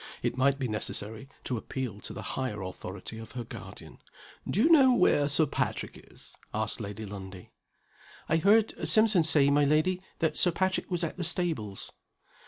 It might be necessary to appeal to the higher authority of her guardian. "Do you know where Sir Patrick is?" asked Lady Lundie. "I heard Simpson say, my lady, that Sir Patrick was at the stables."